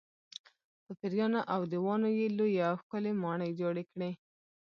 په پېریانو او دیوانو یې لویې او ښکلې ماڼۍ جوړې کړې.